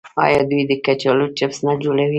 آیا دوی د کچالو چپس نه جوړوي؟